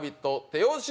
手押し